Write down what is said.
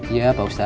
iya pak ustadz